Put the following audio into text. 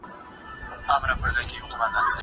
که وخت وي، پاکوالي ساتم.